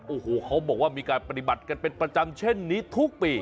โอ้โหเขาบอกว่ามีการปฏิบัติกันเป็นประจำเช่นนี้ทุกปี